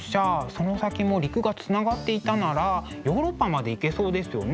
その先も陸がつながっていたならヨーロッパまで行けそうですよね。